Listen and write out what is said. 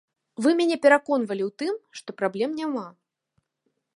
Вы мяне пераконвалі ў тым, што праблем няма.